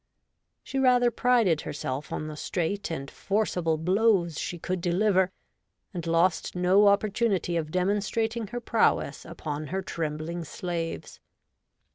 She rather prided herself on the straight and forcible blows she could deliver, and lost no opportunity of demonstrating her prowess upon her trembling slaves.